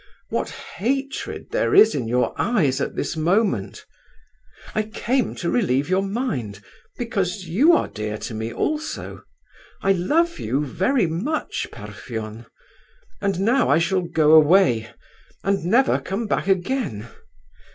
What hatred there is in your eyes at this moment! I came to relieve your mind, because you are dear to me also. I love you very much, Parfen; and now I shall go away and never come back again.